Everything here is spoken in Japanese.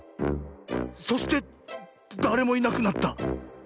そしてだれもいなくなった。